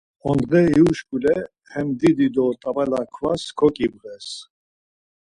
Ondğe ivuşkule hem didi do t̆abala kvas koǩibğes.